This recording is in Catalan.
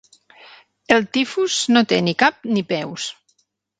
El tifus no té ni cap ni peus.